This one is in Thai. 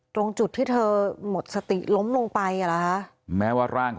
ตรงจุดที่เธอหมดสติล้มลงไป